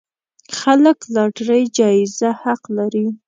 خلک لاټرۍ جايزه حق لري.